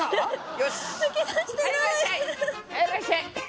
よし！